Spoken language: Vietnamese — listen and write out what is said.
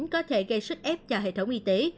có thể gây sức ép cho hệ thống y tế